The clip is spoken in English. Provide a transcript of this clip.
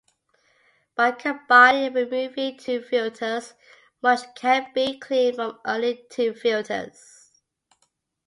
By combining and removing two filters, much can be gleaned from only two filters.